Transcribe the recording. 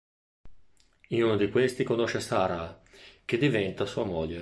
In uno di questi conosce Sarah, che diventa sua moglie.